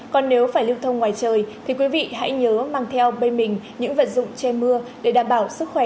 còn nếu phải lưu thông ngoài trời thì quý vị hãy nhớ mang theo bên mình những vật dụng che mưa để đảm bảo sức khỏe